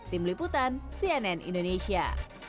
tim liputan cnn indonesia